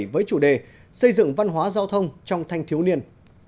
với chủ đề xây dựng văn hóa giao thông trong thanh thiếu niên